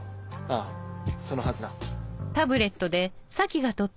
ああそのはずだ。